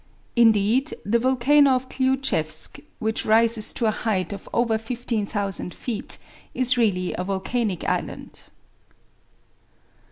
Indeed, the volcano of Kliutchevsk, which rises to a height of over 15,000 feet, is really a volcanic island.